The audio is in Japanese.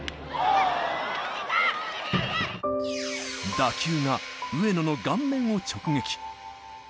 打球が上野の顔面を直撃。